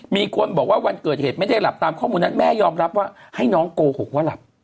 มีคนบอกว่าวันเกิดเหตุไม่ได้หลับตามข้อมูลนั้นแม่ยอมรับว่าให้น้องโกหกว่าหลับ